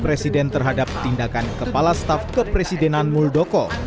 presiden terhadap tindakan kepala staf kepresidenan muldoko